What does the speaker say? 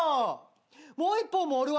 「もう一本も折るわ！」